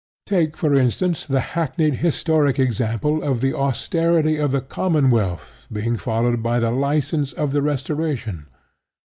Take for instance the hackneyed historic example of the austerity of the Commonwealth being followed by the licence of the Restoration.